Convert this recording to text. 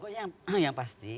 begini pokoknya yang pasti